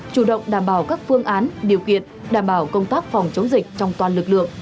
chủ động đảm bảo các phương án điều kiện đảm bảo công tác phòng chống dịch trong toàn lực lượng